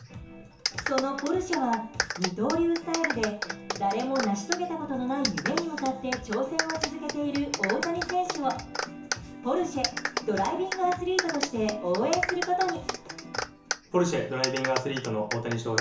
そのポルシェは二刀流スタイルで誰も成し遂げたことのない夢に向かって挑戦を続けている大谷選手をポルシェドライビングアスリートとして応援することに。